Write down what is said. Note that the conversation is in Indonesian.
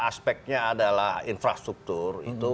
aspeknya adalah infrastruktur itu